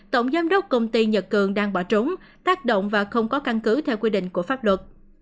tổng giám đốc công ty nhật cường đang bỏ trốn tác động và không có căn cứ theo quy định của pháp luật